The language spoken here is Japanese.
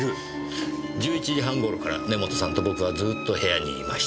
１１時半頃から根元さんと僕はずっと部屋にいました。